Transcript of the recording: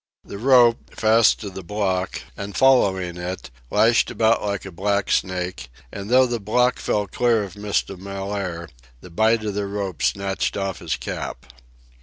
The rope, fast to the block and following it, lashed about like a blacksnake, and, though the block fell clear of Mr. Mellaire, the bight of the rope snatched off his cap.